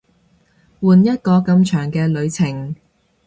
換一個咁長嘅旅程